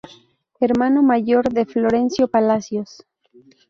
Hermano mayor de Florencio Palacios.